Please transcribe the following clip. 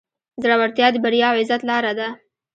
زړورتیا د بریا او عزت لاره ده.